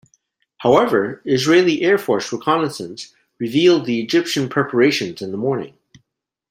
However, Israeli Air Force reconnaissance revealed the Egyptian preparations in the morning.